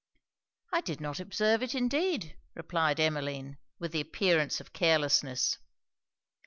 'I did not observe it indeed,' replied Emmeline, with the appearance of carelessness.